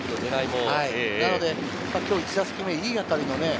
なので今日１打席目、いい当たりの。